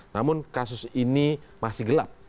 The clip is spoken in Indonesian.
namun kasus ini masih gelap